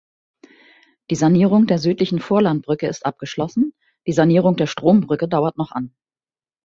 Die Sanierung der südlichen Vorlandbrücke ist abgeschlossen, die Sanierung der Strombrücke dauert noch an.